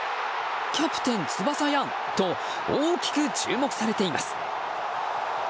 「キャプテン翼」やんと大きく注目されています。